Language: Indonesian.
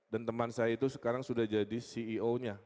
dan teman saya itu sekarang sudah jadi ceo nya